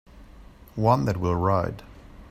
One that will write.